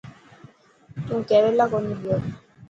نون ڪيريلا ڪونهي گيو.